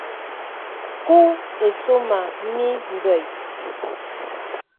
Kúw e sɔma míʼ mbɛy.